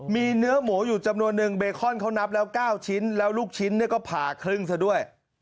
มีเนื้อหมูอยู่จำนวนนึงเบคอนเขานับแล้ว๙ชิ้นแล้วลูกชิ้นก็ผ่าครึ่งซะด้วย